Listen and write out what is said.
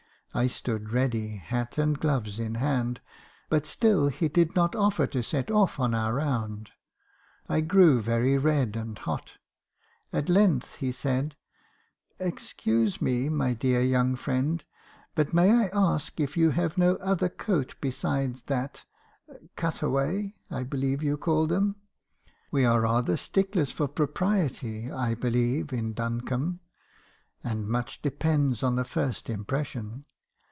I stood ready, hat and gloves in hand; but still he did not offer to set off on our round. I grew very red and hot. At length he said —" 'Excuse me, my dear young friend , but may I ask if you have no other coat besides that — 'cut away,' I believe you call them? — We are rather sticklers for propriety, I believe, in Duncombe; and much depends on a first impression.